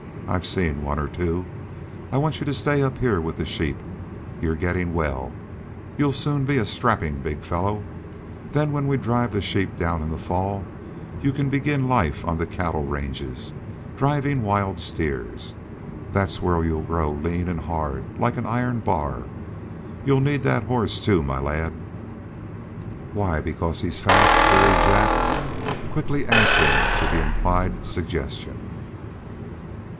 I've seen one or two. I want you to stay up here with the sheep. You're getting well, you'll soon be a strapping big fellow. Then when we drive the sheep down in the fall you can begin life on the cattle ranges, driving wild steers. There's where you'll grow lean and hard, like an iron bar. You'll need that horse, too, my lad." "Why because he's fast?" queried Jack, quickly answering to the implied suggestion.